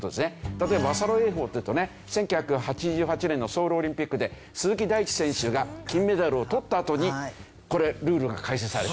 例えばバサロ泳法っていうとね１９８８年のソウルオリンピックで鈴木大地選手が金メダルをとったあとにこれルールが改正された。